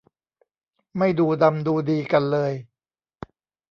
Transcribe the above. ไม่ดูดำดูดีกันเลย